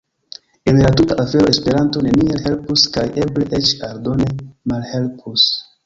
En la tuta afero Esperanto neniel helpus kaj eble eĉ aldone malhelpus.